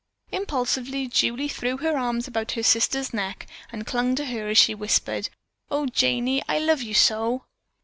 Impulsively Julie threw her arms about her sister's neck and clung to her as she whispered: "Oh, Janey, I love you so!"